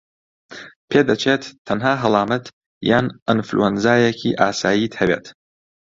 پێدەچێت تەنها هەڵامەت یان ئەنفلەوەنزایەکی ئاساییت هەبێت